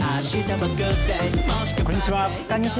こんにちは。